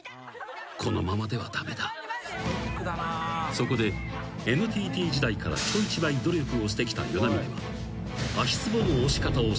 ［そこでＮＴＴ時代から人一倍努力をしてきた與那嶺は］